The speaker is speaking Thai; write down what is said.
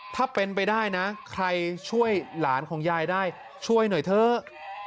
ถ้าเป็นไปได้นะใครช่วยหลานของยายได้ช่วยหน่อยเถอะ